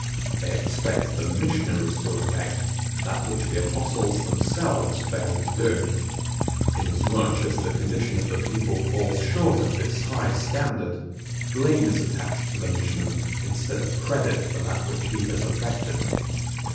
They expect the missionaries to effect that which the Apostles themselves failed to do. Inasmuch as the condition of the people falls short of this high standard, blame is attached to the missionary, instead of credit for that which he has effected.